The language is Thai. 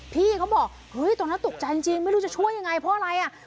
พี่เขาบอกเฮ้ยตอนนั้นตกใจจริงไม่รู้จะช่วยยังไงเพราะอะไรอ่ะ